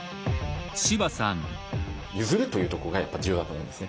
譲るというとこがやっぱ重要だと思うんですね。